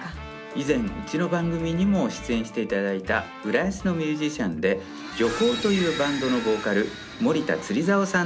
以前うちの番組にも出演して頂いた浦安のミュージシャンで漁というバンドのボーカル森田釣竿さん。